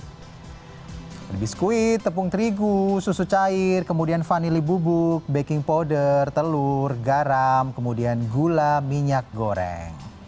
habis biskuit tepung terigu susu cair kemudian vanili bubuk baking powder telur garam kemudian gula minyak goreng